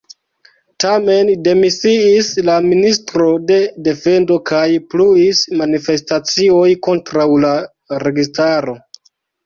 Tamen demisiis la Ministro de Defendo kaj pluis manifestacioj kontraŭ la registaro.